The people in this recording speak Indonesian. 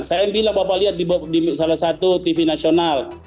saya yang bilang bapak lihat di salah satu tv nasional